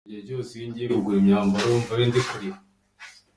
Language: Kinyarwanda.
Igihe cyose iyo ngiye kugura imyambaro mvayo ndi kurira.